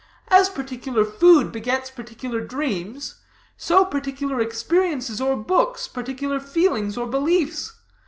As particular food begets particular dreams, so particular experiences or books particular feelings or beliefs.